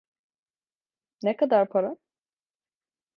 Ne kadar para?